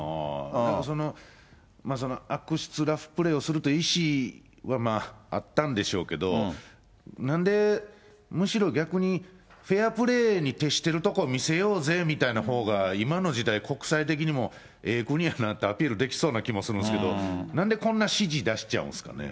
なんかその、悪質ラフプレーをするという意思はあったんでしょうけど、なんでむしろ逆に、フェアプレーに徹しているところを見せようぜみたいなほうが、今の時代、国際的にもええ国やなってアピールできそうな気もするんですけど、なんでこんな指示出しちゃうんすかね。